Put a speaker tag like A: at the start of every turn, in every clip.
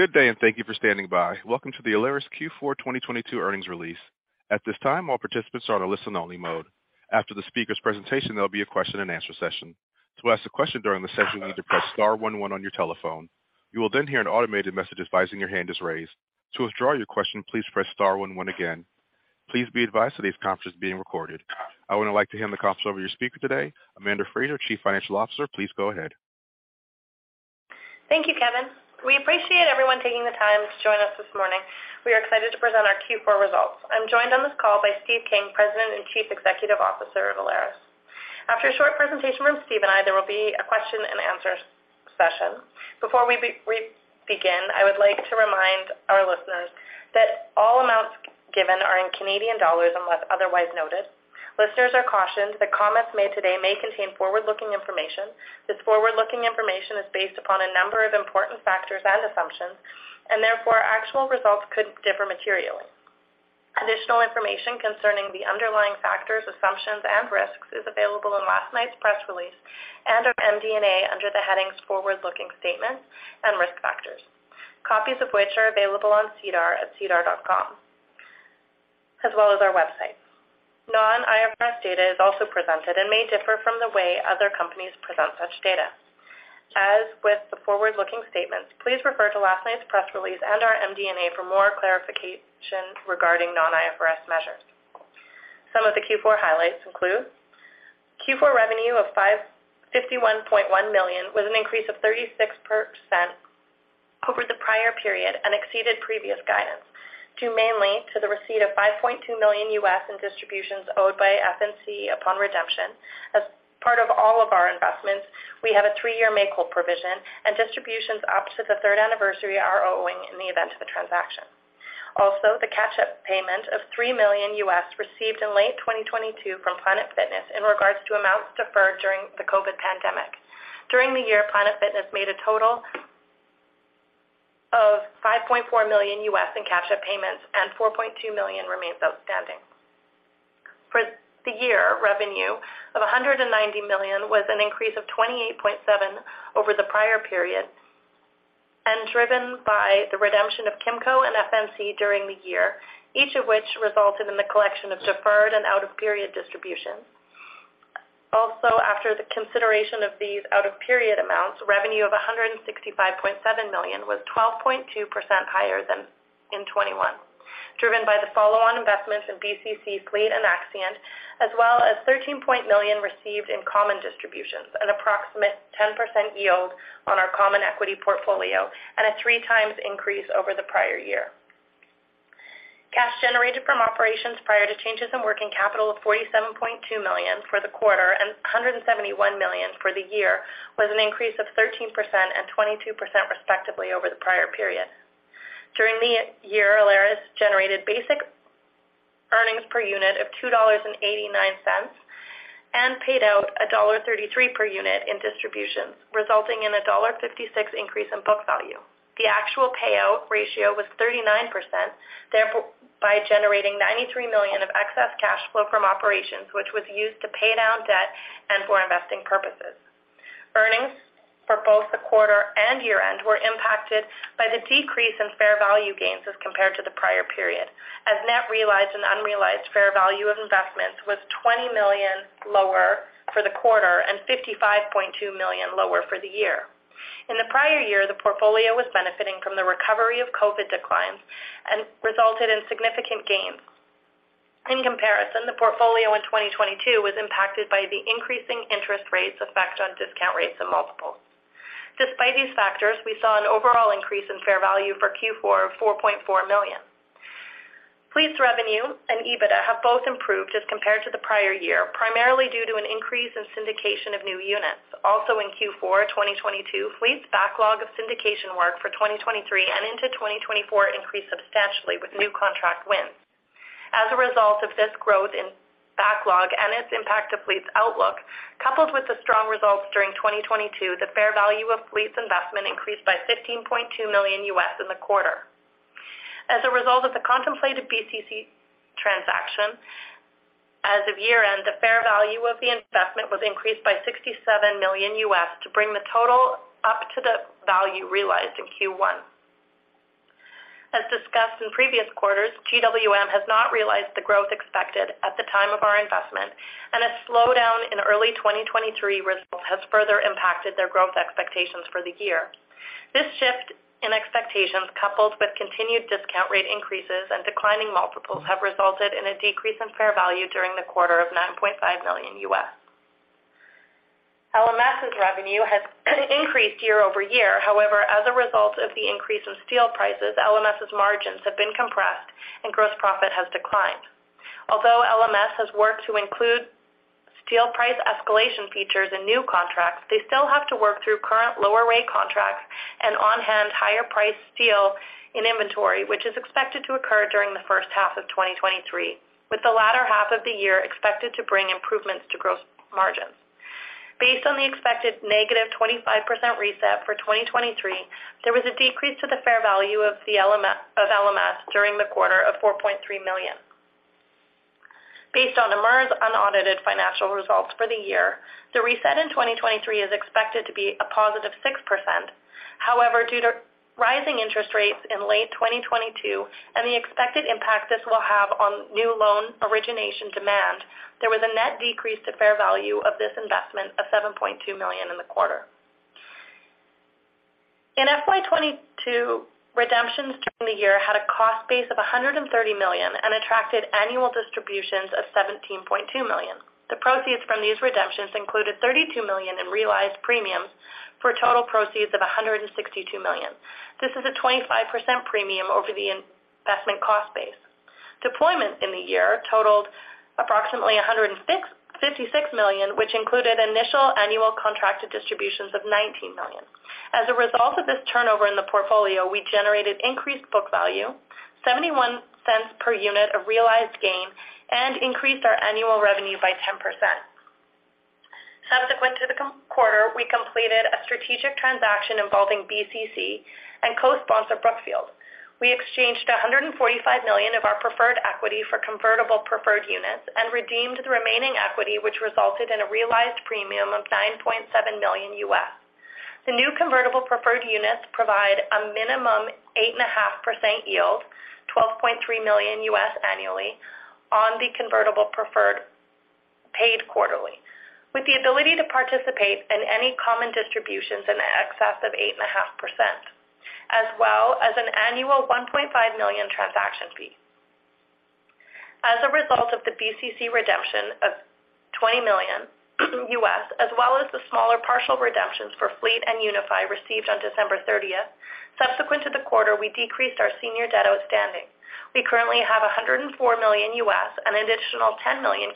A: Good day, thank you for standing by. Welcome to the Alaris Q4 2022 earnings release. At this time, all participants are in a listen only mode. After the speaker's presentation, there'll be a question-and-answer session. To ask a question during the session, you need to press star one, one on your telephone. You will hear an automated message advising your hand is raised. To withdraw your question, please press star one, one again. Please be advised that this conference is being recorded. I would now like to hand the conference over to your speaker today, Amanda Frazer, Chief Financial Officer. Please go ahead.
B: Thank you, Kevin. We appreciate everyone taking the time to join us this morning. We are excited to present our Q4 results. I'm joined on this call by Steve King, President and Chief Executive Officer of Alaris. After a short presentation from Steve and I, there will be a question and answer session. Before we begin, I would like to remind our listeners that all amounts given are in Canadian dollars unless otherwise noted. Listeners are cautioned that comments made today may contain forward-looking information. This forward-looking information is based upon a number of important factors and assumptions. Therefore actual results could differ materially. Additional information concerning the underlying factors, assumptions, and risks is available in last night's press release and our MD&A under the headings Forward-Looking Statements and Risk Factors, copies of which are available on SEDAR at sedar.com, as well as our website. Non-IFRS data is also presented and may differ from the way other companies present such data. As with the Forward-Looking Statements, please refer to last night's press release and our MD&A for more clarification regarding non-IFRS measures. Some of the Q4 highlights include Q4 revenue of $51.1 million was an increase of 36% over the prior period and exceeded previous guidance, due mainly to the receipt of $5.2 million US in distributions owed by FNC upon redemption. As part of all of our investments, we have a three-year make-whole provision, and distributions up to the third anniversary are owing in the event of a transaction. The catch-up payment of $3 million US received in late 2022 from Planet Fitness in regards to amounts deferred during the COVID pandemic. During the year, Planet Fitness made a total of $5.4 million in catch-up payments, and $4.2 million remains outstanding. For the year, revenue of $190 million was an increase of $28.7 million over the prior period and driven by the redemption of Kimco and FNC during the year, each of which resulted in the collection of deferred and out-of-period distributions. After the consideration of these out-of-period amounts, revenue of $165.7 million was 12.2% higher than in 2021, driven by the follow-on investments in BCC, Fleet, and Accscient, as well as $13 million received in common distributions, an approximate 10% yield on our common equity portfolio, and a three times increase over the prior year. Cash generated from operations prior to changes in working capital of 47.2 million for the quarter and 171 million for the year was an increase of 13% and 22% respectively over the prior period. During the year, Alaris generated basic earnings per unit of 2.89 dollars and paid out dollar 1.33 per unit in distributions, resulting in a dollar 1.56 increase in book value. The actual payout ratio was 39%, therefore by generating 93 million of excess cash flow from operations, which was used to pay down debt and for investing purposes. Earnings for both the quarter and year-end were impacted by the decrease in fair value gains as compared to the prior period, as net realized and unrealized fair value of investments was 20 million lower for the quarter and 55.2 million lower for the year. In the prior year, the portfolio was benefiting from the recovery of COVID declines and resulted in significant gains. In comparison, the portfolio in 2022 was impacted by the increasing interest rates effect on discount rates and multiples. Despite these factors, we saw an overall increase in fair value for Q4 of 4.4 million. Fleet's revenue and EBITDA have both improved as compared to the prior year, primarily due to an increase in syndication of new units. In Q4 2022, Fleet's backlog of syndication work for 2023 and into 2024 increased substantially with new contract wins. As a result of this growth in backlog and its impact to Fleet's outlook, coupled with the strong results during 2022, the fair value of Fleet's investment increased by $15.2 million in the quarter. As a result of the contemplated BCC transaction, as of year-end, the fair value of the investment was increased by $67 million to bring the total up to the value realized in Q1. As discussed in previous quarters, GWM has not realized the growth expected at the time of our investment. A slowdown in early 2023 results has further impacted their growth expectations for the year. This shift in expectations, coupled with continued discount rate increases and declining multiples, have resulted in a decrease in fair value during the quarter of $9.5 million. LMS's revenue has increased year-over-year. As a result of the increase in steel prices, LMS's margins have been compressed and gross profit has declined. Although LMS has worked to include steel price escalation features in new contracts, they still have to work through current lower rate contracts and on-hand higher priced steel in inventory, which is expected to occur during the first half of 2023, with the latter half of the year expected to bring improvements to gross margins. Based on the expected negative 25% reset for 2023, there was a decrease to the fair value of LMS during the quarter of 4.3 million. Based on Amur's unaudited financial results for the year, the reset in 2023 is expected to be a positive 6%. Due to rising interest rates in late 2022 and the expected impact this will have on new loan origination demand, there was a net decrease to fair value of this investment of 7.2 million in the quarter. In FY 2022, redemptions during the year had a cost base of 130 million and attracted annual distributions of 17.2 million. The proceeds from these redemptions included 32 million in realized premiums for a total proceeds of 162 million. This is a 25% premium over the investment cost base. Deployments in the year totaled approximately 156 million, which included initial annual contracted distributions of 19 million. As a result of this turnover in the portfolio, we generated increased book value, 0.71 per unit of realized gain, and increased our annual revenue by 10%. Subsequent to the quarter, we completed a strategic transaction involving BCC and co-sponsor Brookfield. We exchanged 145 million of our preferred equity for convertible preferred units and redeemed the remaining equity, which resulted in a realized premium of $9.7 million. The new convertible preferred units provide a minimum 8.5% yield, $12.3 million annually on the convertible preferred paid quarterly, with the ability to participate in any common distributions in excess of 8.5%, as well as an annual $1.5 million transaction fee. As a result of the BCC redemption of $20 million, as well as the smaller partial redemptions for Fleet and Unify received on December 30th, subsequent to the quarter, we decreased our senior debt outstanding. We currently have $104 million US, an additional 10 million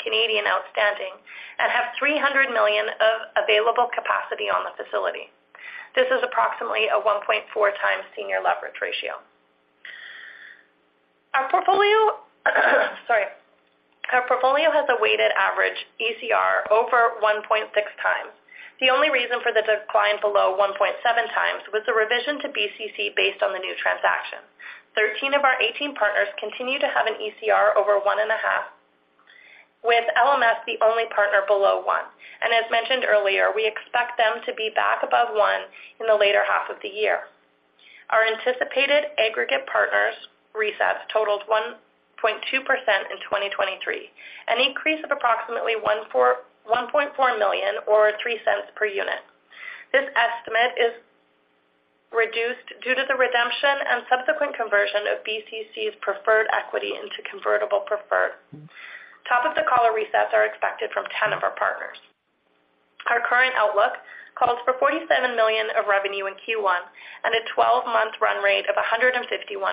B: outstanding, and have $300 million of available capacity on the facility. This is approximately a 1.4x senior leverage ratio. Our portfolio has a weighted average ECR over 1.6x. The only reason for the decline below 1.7x was the revision to BCC based on the new transaction. 13 of our 18 partners continue to have an ECR over 1.5, with LMS the only partner below one. As mentioned earlier, we expect them to be back above one in the later half of the year. Our anticipated aggregate partners recess totaled 1.2% in 2023, an increase of approximately 1.4 million or 0.03 per unit. This estimate is reduced due to the redemption and subsequent conversion of BCC's preferred equity into convertible preferred. Top of the caller resets are expected from 10 of our partners. Our current outlook calls for 47 million of revenue in Q1 and a 12-month run rate of 151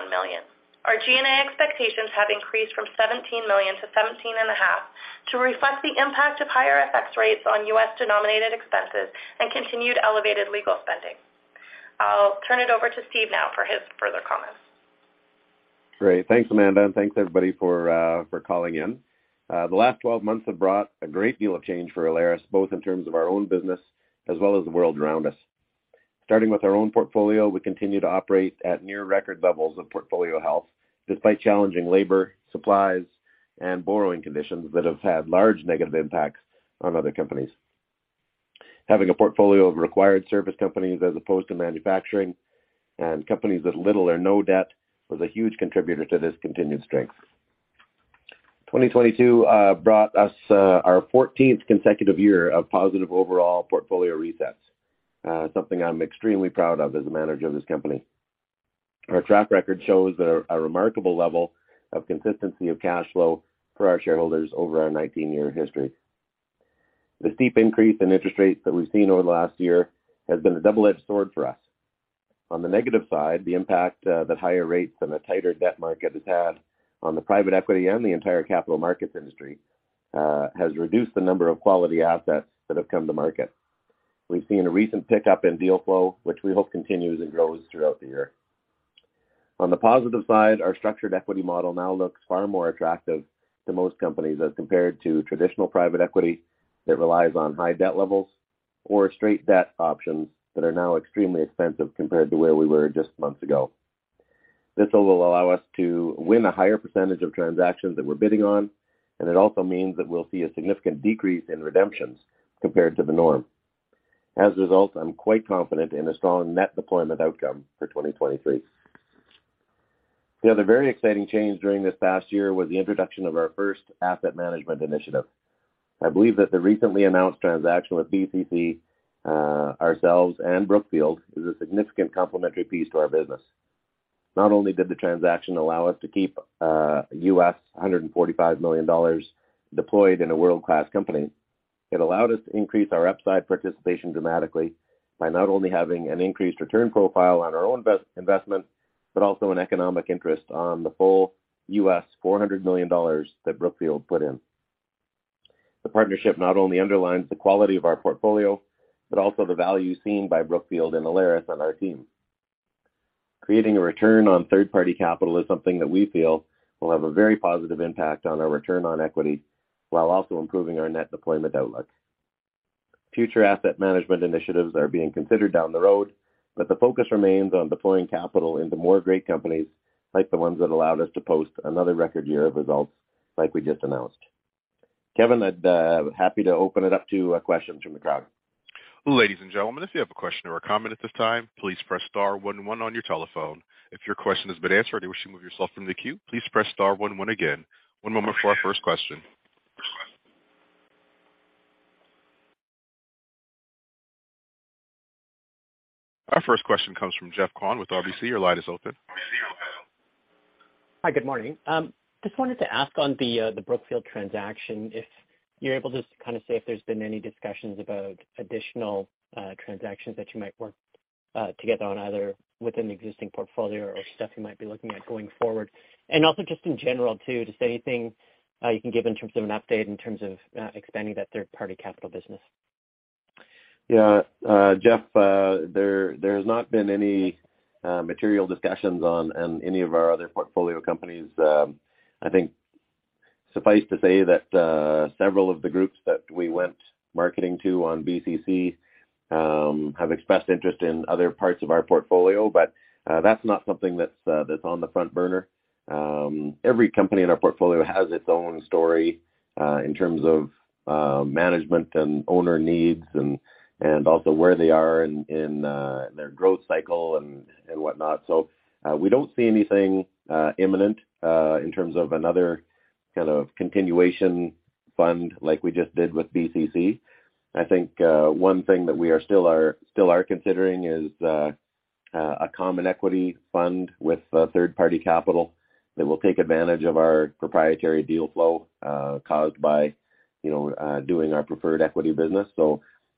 B: million. Our G&A expectations have increased from 17 million to 17.5 million to reflect the impact of higher FX rates on U.S.-denominated expenses and continued elevated legal spending. I'll turn it over to Steve now for his further comments.
C: Great. Thanks, Amanda, thanks everybody for calling in. The last 12 months have brought a great deal of change for Alaris, both in terms of our own business as well as the world around us. Starting with our own portfolio, we continue to operate at near record levels of portfolio health despite challenging labor, supplies, and borrowing conditions that have had large negative impacts on other companies. Having a portfolio of required service companies as opposed to manufacturing and companies with little or no debt was a huge contributor to this continued strength. 2022 brought us our 14th consecutive year of positive overall portfolio resets, something I'm extremely proud of as a manager of this company. Our track record shows a remarkable level of consistency of cash flow for our shareholders over our 19-year history. The steep increase in interest rates that we've seen over the last year has been a double-edged sword for us. On the negative side, the impact that higher rates and a tighter debt market has had on the private equity and the entire capital markets industry has reduced the number of quality assets that have come to market. We've seen a recent pickup in deal flow, which we hope continues and grows throughout the year. On the positive side, our structured equity model now looks far more attractive to most companies as compared to traditional private equity that relies on high debt levels or straight debt options that are now extremely expensive compared to where we were just months ago. This will allow us to win a higher percentage of transactions that we're bidding on, it also means that we'll see a significant decrease in redemptions compared to the norm. As a result, I'm quite confident in a strong net deployment outcome for 2023. The other very exciting change during this past year was the introduction of our first asset management initiative. I believe that the recently announced transaction with BCC, ourselves, and Brookfield is a significant complementary piece to our business. Not only did the transaction allow us to keep $145 million deployed in a world-class company, it allowed us to increase our upside participation dramatically by not only having an increased return profile on our own investment, but also an economic interest on the full $400 million that Brookfield put in. The partnership not only underlines the quality of our portfolio, but also the value seen by Brookfield and Alaris on our team. Creating a return on third-party capital is something that we feel will have a very positive impact on our return on equity while also improving our net deployment outlook. Future asset management initiatives are being considered down the road, but the focus remains on deploying capital into more great companies like the ones that allowed us to post another record year of results like we just announced. Kevin, I'd happy to open it up to questions from the crowd.
A: Ladies and gentlemen, if you have a question or a comment at this time, please press star one, one on your telephone. If your question has been answered or you wish to remove yourself from the queue, please press star one, one again. One moment for our first question. Our first question comes from Geoffrey Kwan with RBC. Your line is open.
D: Hi, good morning. Just wanted to ask on the Brookfield transaction, if you're able to just kind of say if there's been any discussions about additional transactions that you might work together on, either within the existing portfolio or stuff you might be looking at going forward? Also just in general too, just anything you can give in terms of an update in terms of expanding that third-party capital business?
C: Yeah. Jeff, there's not been any material discussions on any of our other portfolio companies. I think suffice to say that several of the groups that we went marketing to on BCC have expressed interest in other parts of our portfolio, but that's not something that's on the front burner. Every company in our portfolio has its own story, in terms of management and owner needs and also where they are in their growth cycle and whatnot. We don't see anything imminent, in terms of another kind of continuation fund like we just did with BCC. I think, one thing that we still are considering is a common equity fund with third-party capital that will take advantage of our proprietary deal flow, caused by, you know, doing our preferred equity business.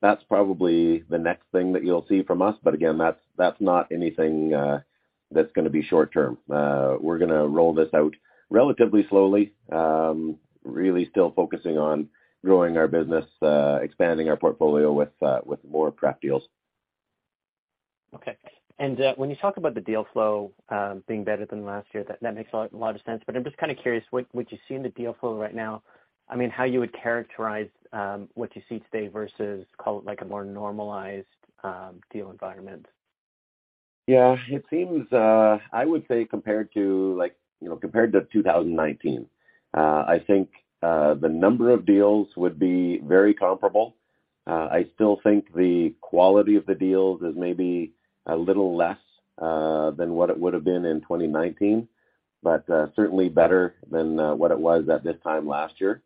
C: That's probably the next thing that you'll see from us, but again, that's not anything that's going to be short term. We're going to roll this out relatively slowly, really still focusing on growing our business, expanding our portfolio with more Pref deals.
D: Okay. When you talk about the deal flow, being better than last year, that makes a lot of sense, but I'm just kind of curious, what you see in the deal flow right now, I mean, how you would characterize, what you see today versus, call it like a more normalized, deal environment?
C: It seems, I would say compared to like, you know, compared to 2019, I think the number of deals would be very comparable. I still think the quality of the deals is maybe a little less than what it would've been in 2019, but certainly better than what it was at this time last year,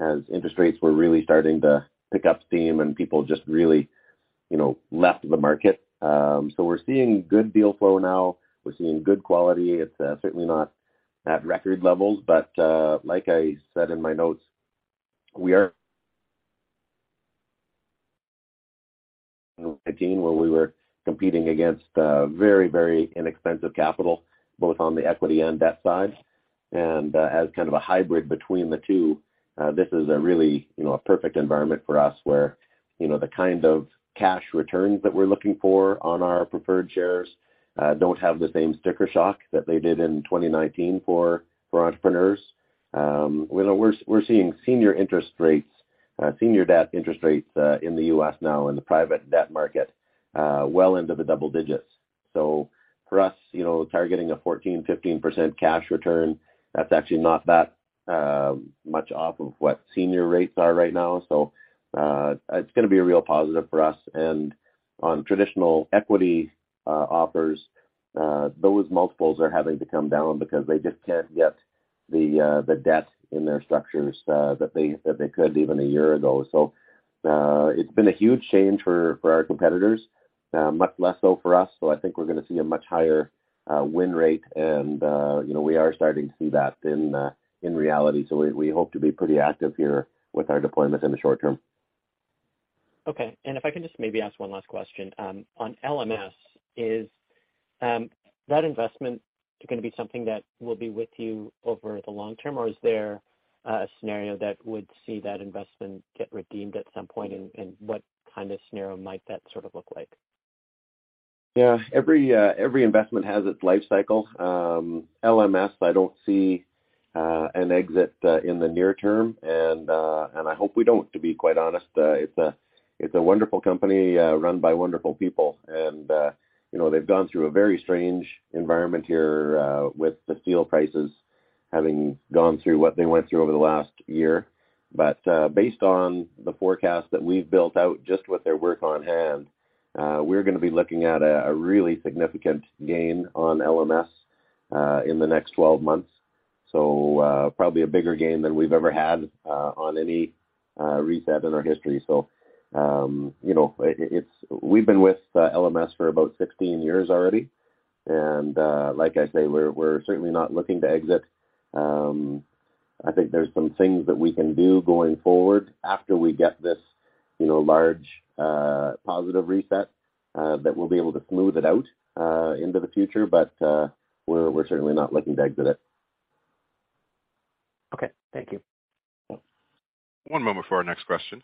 C: as interest rates were really starting to pick up steam and people just really, you know, left the market. We're seeing good deal flow now. We're seeing good quality. It's certainly not at record levels, but like I said in my notes, we were competing against very, very inexpensive capital, both on the equity and debt side. As kind of a hybrid between the two, this is a really, you know, a perfect environment for us where, you know, the kind of cash returns that we're looking for on our preferred shares don't have the same sticker shock that they did in 2019 for entrepreneurs. You know, we're seeing senior interest rates, senior debt interest rates in the US now in the private debt market well into the double digits. For us, you know, targeting a 14%, 15% cash return, that's actually not that much off of what senior rates are right now. It's going to be a real positive for us. On traditional equity offers, those multiples are having to come down because they just can't get the debt in their structures that they could even a year ago. It's been a huge change for our competitors, much less so for us. I think we're going to see a much higher win rate and, you know, we are starting to see that in reality. We hope to be pretty active here with our deployment in the short term.
D: Okay. If I can just maybe ask one last question. On LMS, is that investment going to be something that will be with you over the long term, or is there a scenario that would see that investment get redeemed at some point, and what kind of scenario might that sort of look like?
C: Every investment has its life cycle. LMS, I don't see an exit in the near term, and I hope we don't, to be quite honest. It's a wonderful company, run by wonderful people. You know, they've gone through a very strange environment here with the steel prices having gone through what they went through over the last year. Based on the forecast that we've built out just with their work on hand, we're going to be looking at a really significant gain on LMS in the next 12 months. Probably a bigger gain than we've ever had on any reset in our history. You know, we've been with LMS for about 16 years already. Like I say, we're certainly not looking to exit. I think there's some things that we can do going forward after we get this, you know, large, positive reset, that we'll be able to smooth it out into the future. We're certainly not looking to exit it.
D: Okay. Thank you.
C: Yeah.
A: One moment for our next question.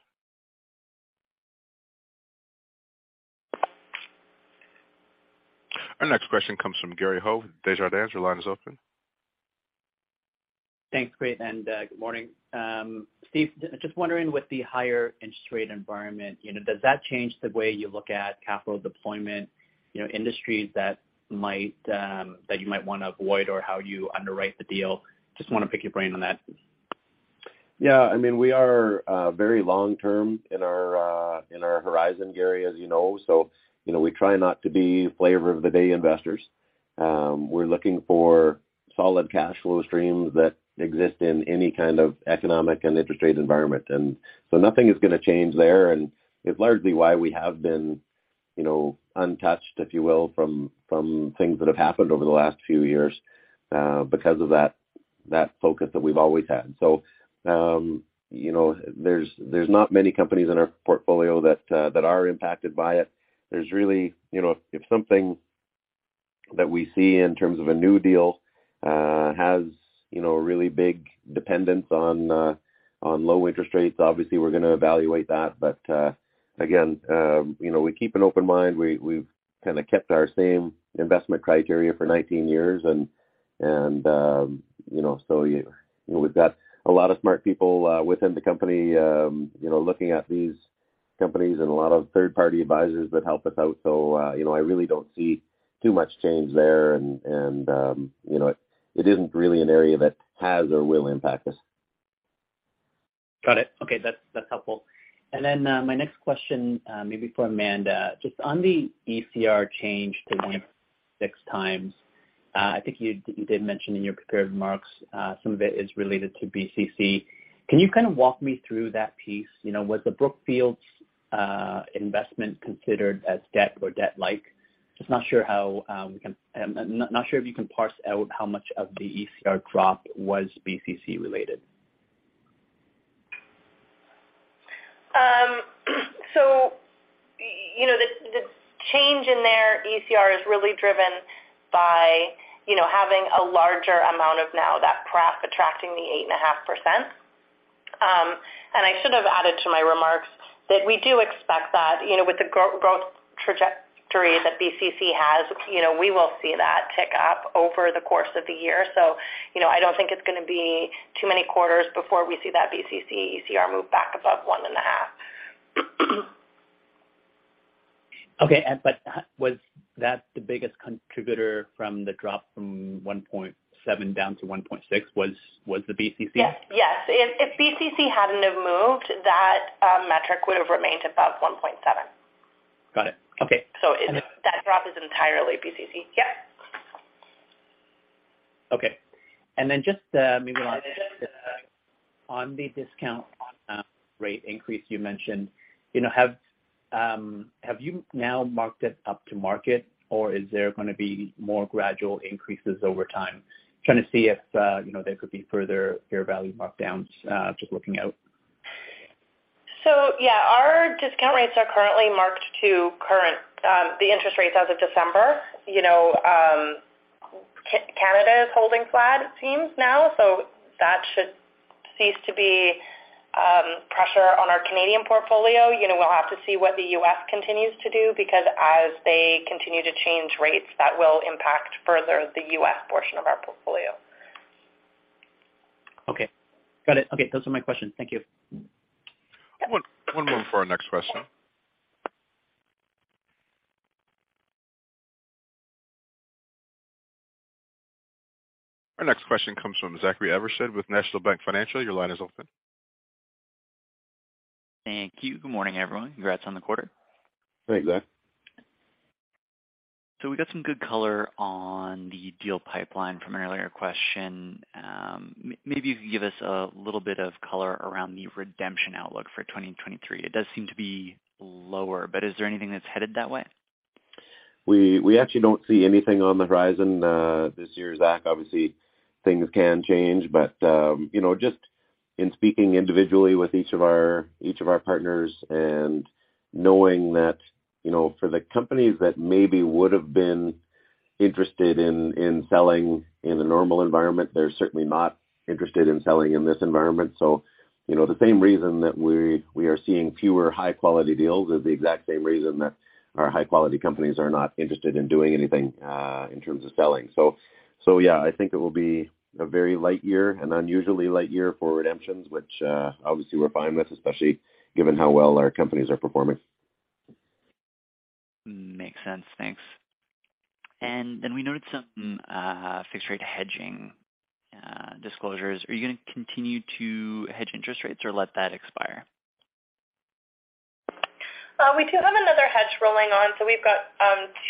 A: Our next question comes from Gary Ho, Desjardins. Your line is open.
E: Thanks, great, good morning. Steve, just wondering with the higher interest rate environment, you know, does that change the way you look at capital deployment, you know, industries that might that you might want to avoid or how you underwrite the deal? Just want to pick your brain on that.
C: Yeah. I mean, we are very long-term in our horizon, Gary, as you know. You know, we try not to be flavor of the day investors. We're looking for solid cash flow streams that exist in any kind of economic and interest rate environment. Nothing is going to change there, and it's largely why we have been, you know, untouched, if you will, from things that have happened over the last few years, because of that focus that we've always had. You know, there's not many companies in our portfolio that are impacted by it. You know, if something that we see in terms of a new deal has, you know, really big dependence on low interest rates, obviously we're going to evaluate that. Again, you know, we keep an open mind. We've kind of kept our same investment criteria for 19 years and, you know, we've got a lot of smart people, within the company, you know, looking at these companies and a lot of third-party advisors that help us out. You know, I really don't see too much change there. You know, it isn't really an area that has or will impact us.
E: Got it. Okay, that's helpful. My next question, maybe for Amanda. Just on the ECR change to 1.6x, I think you did mention in your prepared remarks, some of it is related to BCC. Can you kind of walk me through that piece? You know, was the Brookfield's investment considered as debt or debt-like? Just not sure how, I'm not sure if you can parse out how much of the ECR drop was BCC related.
B: You know, the change in their ECR is really driven by, you know, having a larger amount of now that crap attracting the 8.5%. And I should have added to my remarks that we do expect that, you know, with the growth trajectory that BCC has, you know, we will see that tick up over the course of the year. You know, I don't think it's going to be too many quarters before we see that BCC ECR move back above 1.5.
E: Okay. Was that the biggest contributor from the drop from 1.7x down to 1.6x, was the BCC?
B: Yes. Yes. If BCC hadn't have moved, that metric would've remained above 1.7.
E: Got it. Okay.
B: That drop is entirely BCC. Yep.
E: Okay. Just maybe on the discount on rate increase you mentioned. You know, have you now marked it up to market, or is there going to be more gradual increases over time? Trying to see if, you know, there could be further fair value markdowns just looking out.
B: Yeah, our discount rates are currently marked to current, the interest rates as of December. You know, Canada is holding flat, it seems now, so that should cease to be pressure on our Canadian portfolio. You know, we'll have to see what the U.S. continues to do because as they continue to change rates, that will impact further the U.S. portion of our portfolio.
E: Okay, got it. Okay, those are my questions. Thank you.
A: One moment for our next question. Our next question comes from Zachary Evershed with National Bank Financial. Your line is open.
F: Thank you. Good morning, everyone. Congrats on the quarter.
C: Thanks, Zach.
F: We got some good color on the deal pipeline from an earlier question. Maybe if you could give us a little of color around the redemption outlook for 2023. It does seem to be lower, but is there anything that's headed that way?
C: We actually don't see anything on the horizon this year, Zach. Obviously, things can change. You know, just in speaking individually with each of our partners and knowing that, you know, for the companies that maybe would've been interested in selling in the normal environment, they're certainly not interested in selling in this environment. You know, the same reason that we are seeing fewer high quality deals is the exact same reason that our high quality companies are not interested in doing anything in terms of selling. Yeah, I think it will be a very light year, an unusually light year for redemptions, which obviously we're fine with, especially given how well our companies are performing.
F: Makes sense. Thanks. We noted some fixed rate hedging disclosures. Are you going to continue to hedge interest rates or let that expire?
B: We do have another hedge rolling on. We've got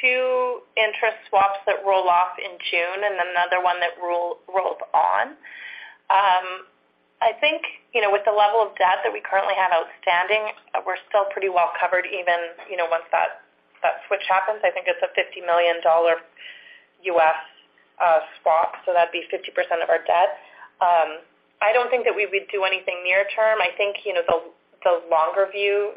B: two interest swaps that roll off in June and another one that rolls on. I think, you know, with the level of debt that we currently have outstanding, we're still pretty well covered even, you know, once that switch happens. I think it's a $50 million U.S. swap, so that'd be 50% of our debt. I don't think that we would do anything near term. I think, you know, the longer view,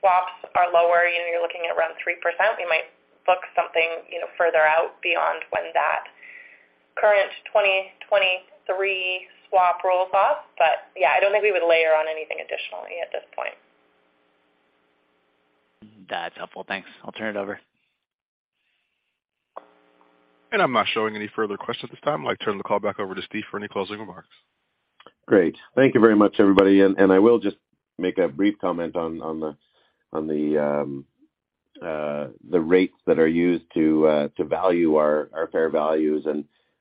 B: swaps are lower. You know, you're looking at around 3%. We might book something, you know, further out beyond when that Current 2023 swap rolls off. Yeah, I don't think we would layer on anything additionally at this point.
F: That's helpful. Thanks. I'll turn it over.
A: I'm not showing any further questions at this time. I'd like to turn the call back over to Steve for any closing remarks.
C: Great. Thank you very much, everybody. I will just make a brief comment on the rates that are used to value our fair values.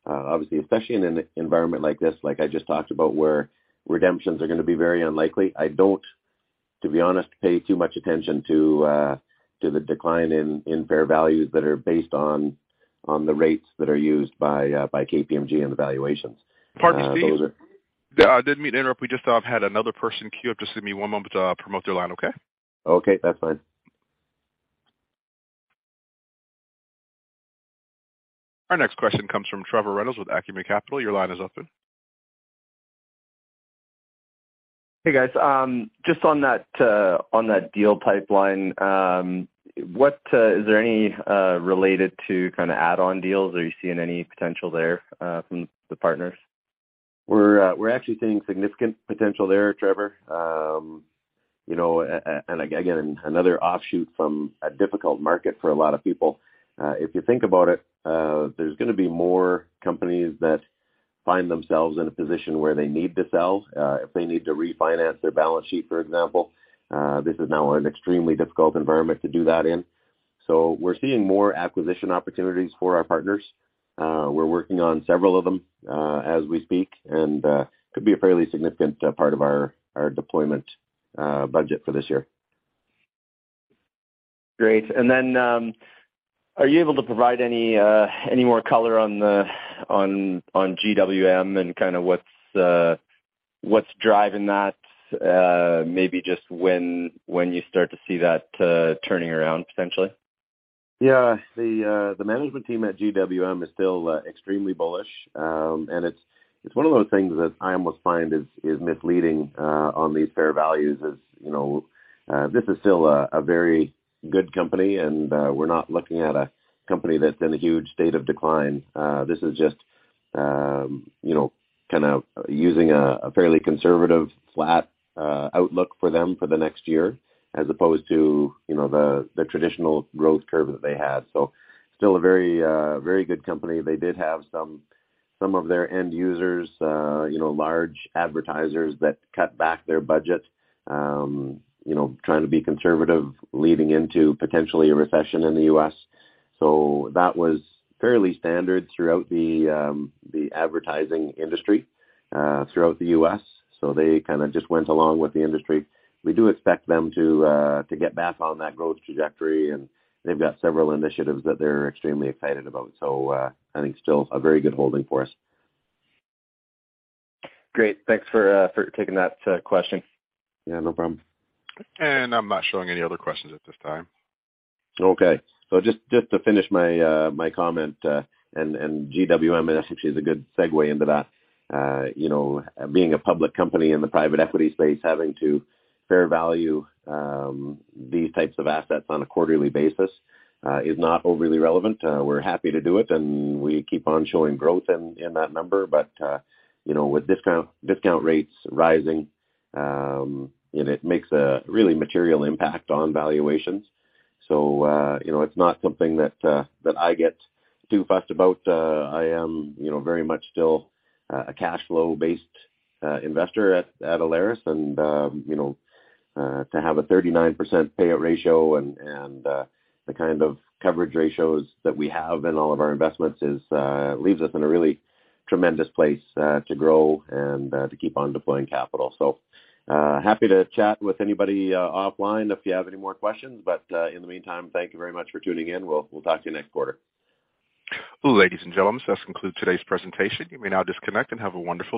C: Obviously, especially in an environment like this, like I just talked about, where redemptions are going to be very unlikely. I don't, to be honest, pay too much attention to the decline in fair values that are based on the rates that are used by KPMG and the valuations. Those are.
A: Pardon me, Steve. Yeah, I didn't mean to interrupt. We just had another person queue up. Just give me one moment to promote their line. Okay?
C: Okay, that's fine.
A: Our next question comes from Trevor Reynolds with Acumen Capital. Your line is open.
G: Hey, guys. Just on that, on that deal pipeline, what is there any related to kind of add-on deals? Are you seeing any potential there, from the partners?
C: We're actually seeing significant potential there, Trevor. you know, and again, another offshoot from a difficult market for a lot of people. If you think about it, there's going to be more companies that find themselves in a position where they need to sell, if they need to refinance their balance sheet, for example. This is now an extremely difficult environment to do that in. We're seeing more acquisition opportunities for our partners. We're working on several of them as we speak, and could be a fairly significant part of our deployment budget for this year.
G: Great. Are you able to provide any more color on GWM and kind of what's driving that? Maybe just when you start to see that turning around potentially?
C: The management team at GWM is still extremely bullish. And it's one of those things that I almost find is misleading on these fair values. As you know, this is still a very good company, and we're not looking at a company that's in a huge state of decline. This is just, you know, kind of using a fairly conservative, flat outlook for them for the next year, as opposed to, you know, the traditional growth curve that they had. Still a very good company. They did have some of their end users, you know, large advertisers that cut back their budget, you know, trying to be conservative leading into potentially a recession in the US. That was fairly standard throughout the advertising industry throughout the U.S. They kind of just went along with the industry. We do expect them to get back on that growth trajectory, and they've got several initiatives that they're extremely excited about. I think still a very good holding for us.
G: Great. Thanks for taking that question.
C: Yeah, no problem.
A: I'm not showing any other questions at this time.
C: Okay. Just to finish my comment, and GWM is actually a good segue into that. You know, being a public company in the private equity space, having to fair value these types of assets on a quarterly basis, is not overly relevant. We're happy to do it, and we keep on showing growth in that number. You know, with discount rates rising, you know, it makes a really material impact on valuations. You know, it's not something that I get too fussed about. I am, you know, very much still a cashflow-based investor at Alaris. you know, to have a 39% payout ratio and, the kind of coverage ratios that we have in all of our investments is, leaves us in a really tremendous place, to grow and, to keep on deploying capital. happy to chat with anybody, offline if you have any more questions. in the meantime, thank you very much for tuning in. We'll talk to you next quarter.
A: Ladies and gentlemen, this concludes today's presentation. You may now disconnect and have a wonderful day.